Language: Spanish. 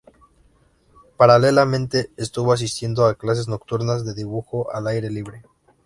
Paralelamente, estuvo asistiendo a clases nocturnas de dibujo al aire libre.